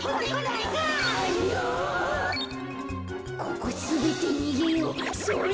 ここすべってにげよう。